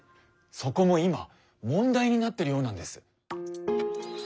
そこも今問題になってるようなんです。